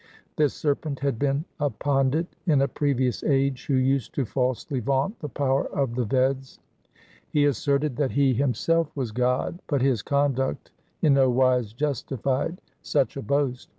This serpent had been a pandit in a previous age, who used to falsely vaunt the power of the Veds. He asserted that he himself was God, but his conduct in no wise justified such a boast.